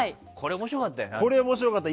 これ、面白かった。